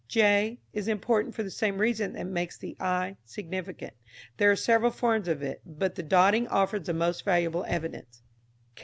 j is important for the same reason that makes the i significant. There are several forms of it, but the dotting offers the most valuable evidence.